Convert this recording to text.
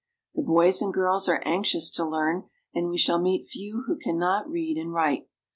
The boys and girls are anxious to learn, and we shall meet few who can not read and write.